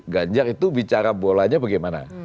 ganjar itu bicara bolanya bagaimana